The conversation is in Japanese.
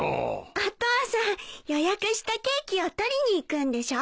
お父さん予約したケーキを取りに行くんでしょ？